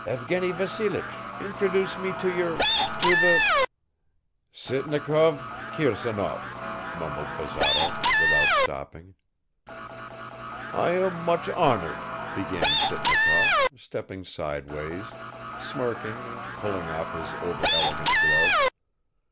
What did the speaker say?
. Evgeny Vassilich, introduce me to your ... to the. ..." "Sitnikov, Kirsanov," mumbled Bazarov, without stopping. "I am much honored," began Sitnikov, stepping sideways, smirking and pulling off his overelegant gloves.